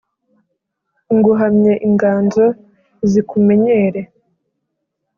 Nguhamye inganzo zikumenyere